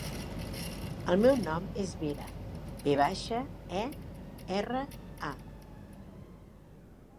El meu nom és Vera: ve baixa, e, erra, a.